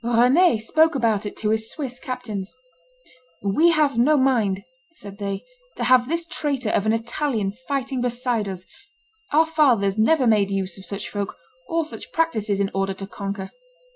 Rene spoke about it to his Swiss captains. "We have no mind," said they, "to have this traitor of an Italian fighting beside us; our fathers never made use of such folk or such practices in order to conquer."